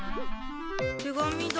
手紙だ。